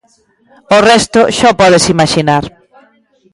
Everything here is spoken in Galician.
O resto xa o podes imaxinar.